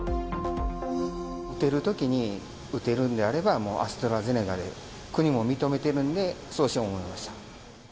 打てるときに打てるんであれば、もうアストラゼネカで、国も認めてるんで、そうしようと思いました。